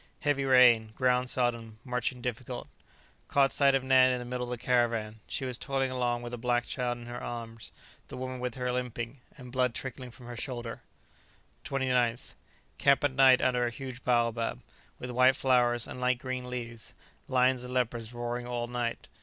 Heavy rain; ground sodden; marching difficult. Caught sight of Nan in the middle of caravan; she was toiling along with a black child in her arms; the woman with her limping, and blood trickling from her shoulder. 29th. Camp at night under a huge baobab, with white flowers and light green leaves. Lions and leopards roaring all night.